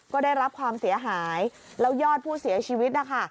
ก็ได้รับความเสียหายแล้วยอดผู้เสียชีวิตนะคะ